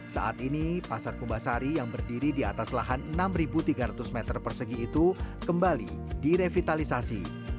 saat ini pasar kumbasari yang berdiri di atas lahan enam tiga ratus meter persegi itu kembali direvitalisasi